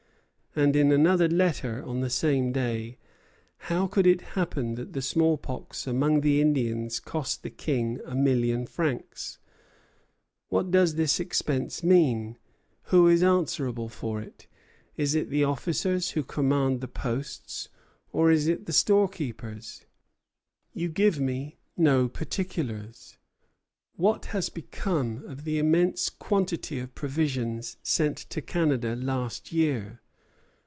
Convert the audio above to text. And in another letter on the same day: "How could it happen that the small pox among the Indians cost the King a million francs? What does this expense mean? Who is answerable for it? Is it the officers who command the posts, or is it the storekeepers? You give me no particulars. What has become of the immense quantity of provisions sent to Canada last year?